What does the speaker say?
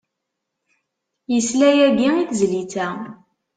Yesla yagi i tezlit-a.